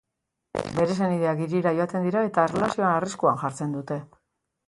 Bere senideak hirira joaten dira eta erlazioa arriskuan jartzen dute.